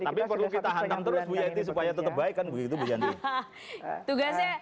tapi perlu kita hantam terus bu yanti supaya tetap baik kan begitu bu yanti